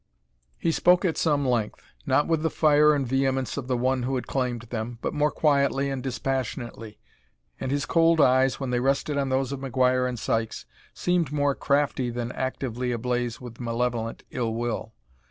He spoke at some length, not with the fire and vehemence of the one who had claimed them, but more quietly and dispassionately, and his cold eyes, when they rested on those of McGuire and Sykes, seemed more crafty than actively ablaze with malevolent ill will.